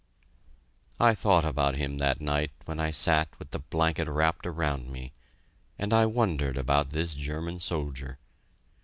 I thought about him that night when I sat with the blanket wrapped around me, and I wondered about this German soldier.